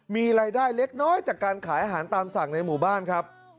มีรายได้เล็กน้อยจากการขายอาหารตามสั่งในหมู่บ้านครับ